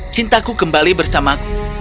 cintaku kembali bersamaku